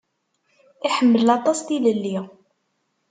Iḥemmel aṭas tilelli.